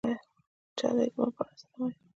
چا د اجماع په اړه څه نه ویل